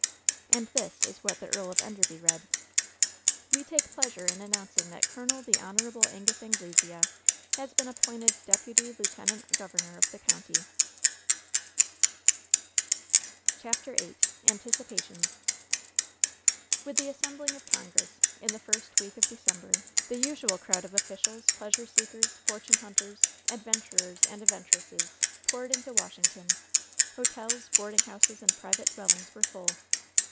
And this is what the Earl of Enderby read: 'We take pleasure in announcing that Col. the Hon. Angus Anglesea has been appointed deputy lieutenant governor of the county/^ CHAPTER Vni ANTICIPATIONS With the assembling of Congress, in the first week of December, the usual crowd of officials, pleasure seekers, fortune hunters, adventurers and adventuresses poured into Washington. Hotels, boarding houses and private dwellings were full.